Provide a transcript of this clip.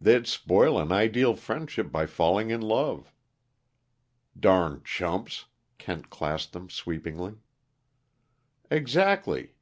They'd spoil an ideal friendship by falling in love." "Darned chumps," Kent classed them sweepingly. "Exactly.